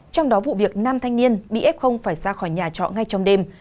trong đó vụ việc nam thanh niên bị ép không phải ra khỏi nhà trọ ngay trong đêm